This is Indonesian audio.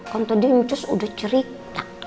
kan tadi uncus sudah cerita